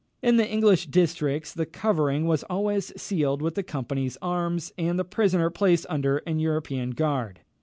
In the English districts the covering was always sealed with the Company's arms, and the prisoner placed under an European guard.